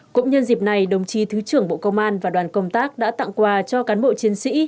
cũng nhân dịp này đồng chí thứ trưởng bộ công an và đoàn công tác đã tặng quà cho cán bộ chiến sĩ